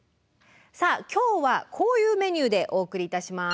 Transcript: さあ今日はこういうメニューでお送りいたします。